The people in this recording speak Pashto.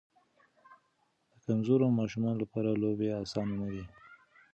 د کمزورو ماشومانو لپاره لوبې اسانه نه دي.